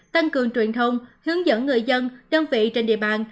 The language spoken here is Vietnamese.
tăng cường truyền thông hướng dẫn người dân đơn vị trên địa bàn